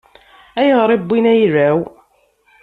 Ayɣer i wwin ayla-w?